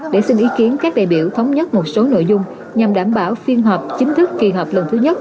để xin ý kiến các đại biểu thống nhất một số nội dung nhằm đảm bảo phiên họp chính thức kỳ họp lần thứ nhất